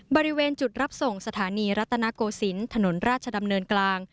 บริเวณจุดรับส่งสถานีรัตนโกศิลป์ถนนราชดำเนินกลาง